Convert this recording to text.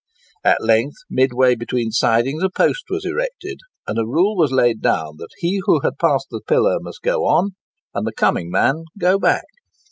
At length, midway between sidings, a post was erected, and a rule was laid down that he who had passed the pillar must go on, and the 'coming man' go back.